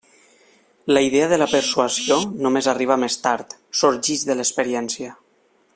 La idea de la persuasió només arriba més tard; sorgeix de l'experiència.